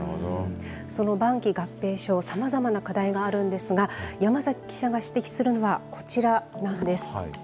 その晩期合併症、さまざまな課題があるんですが、山崎記者が指摘するのは、こちらなんです。